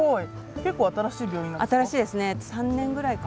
結構新しい病院なんですか？